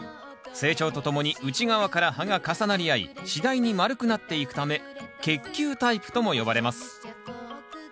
成長とともに内側から葉が重なり合い次第に丸くなっていくため結球タイプとも呼ばれます。